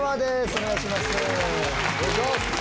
お願いします！